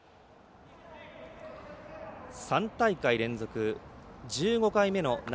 ３大会連続１５回目の夏